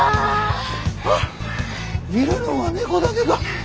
はぁいるのは猫だけか。